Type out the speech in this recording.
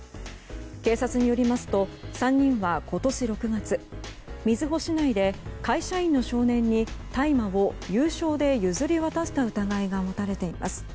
警察によりますと３人は、今年６月瑞穂市内で会社員の少年に大麻を有償で譲り渡した疑いが持たれています。